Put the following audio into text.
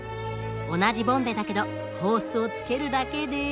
同じボンベだけどホースをつけるだけで。